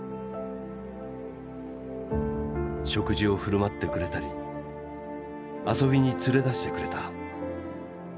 食事を振る舞ってくれたり遊びに連れ出してくれた。